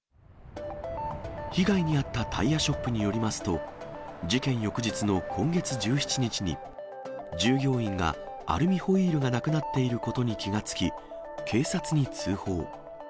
被害に遭ったタイヤショップによりますと、事件翌日の今月１７日に、従業員がアルミホイールがなくなっていることに気が付き、警察に通報。